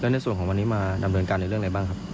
ในส่วนของวันนี้มาดำเนินการในเรื่องอะไรบ้างครับ